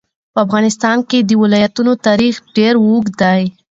په افغانستان کې د ولایتونو تاریخ ډېر اوږد دی.